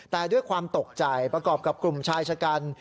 แต่ด้วยความตกใจประกอบกับกลุ่มชายชะกัน